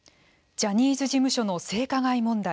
ジャニーズ事務所の性加害問題。